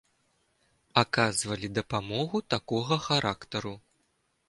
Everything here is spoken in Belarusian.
Аказвалі дапамогу такога характару.